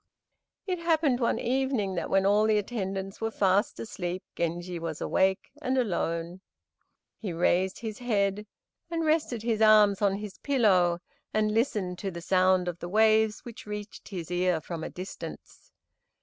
It happened one evening that when all the attendants were fast asleep Genji was awake and alone. He raised his head and rested his arms on his pillow and listened to the sound of the waves which reached his ear from a distance.